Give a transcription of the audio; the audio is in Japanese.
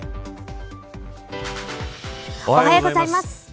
おはようございます。